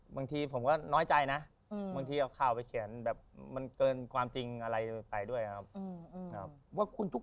บางทีจะเอาข่าวไปเขียนแบบมันเกินความจริงอะไรไปด้วยครับว่าคุณทุก